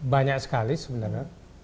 banyak sekali sebenarnya